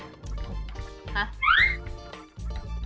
ห๊ะ